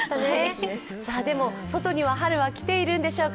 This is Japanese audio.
でも外には春は来ているんでしょうか。